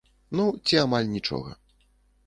Ну, ці амаль нічога.